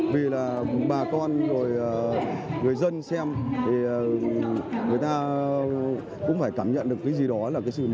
vì là bà con rồi người dân xem thì người ta cũng phải cảm nhận được cái gì đó là cái gì